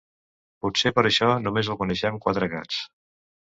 Potser per això només el coneixem quatre gats.